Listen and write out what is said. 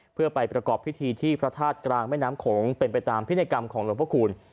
เพื่อไปประกอบพิธีที่พระธาตุกลางแม่น้ำโขงเป็นไปตามพินัยกรรมของหลวงพระคูณ